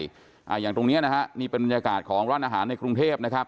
อย่างตรงเนี้ยนะฮะนี่เป็นบรรยากาศของร้านอาหารในกรุงเทพนะครับ